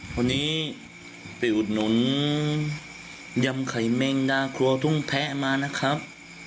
วันนี้ไปอุดหนุนยำไข่เมงดาครัวทุ่งแพะมานะครับ